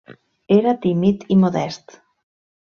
Era tímid i modest.